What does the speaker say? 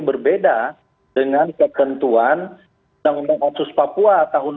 berbeda dengan kepentuan undang undang okses papua tahun dua ribu satu